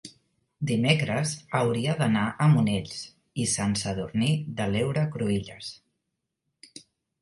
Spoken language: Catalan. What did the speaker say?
dimecres hauria d'anar a Monells i Sant Sadurní de l'Heura Cruïlles.